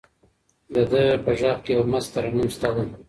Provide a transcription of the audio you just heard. د ده په غږ کې یو مست ترنم شته دی.